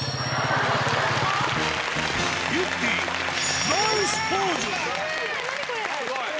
ゆってぃ、ナイスポーズ！